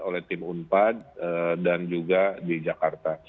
oleh tim unpad dan juga di jakarta